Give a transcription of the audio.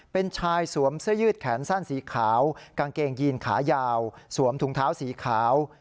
เป็นชายสวมเสื้อยืดแขนสั้นสีขาวกางเกงยีนขายาวสวมถุงเท้าสีขาว